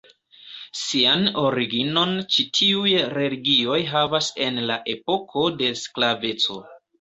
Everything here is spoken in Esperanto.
Sian originon ĉi tiuj religioj havas en la epoko de sklaveco.